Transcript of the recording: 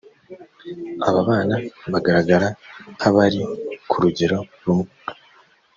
aba bana bagaragara nk’abari ku rugero rumwe